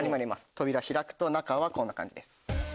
扉開くと中はこんな感じです。